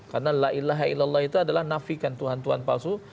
karena la ilaha ilallah itu adalah nafikan tuhan tuhan palsu